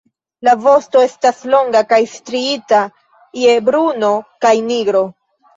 La vosto estas longa kaj striita je bruno kaj nigro.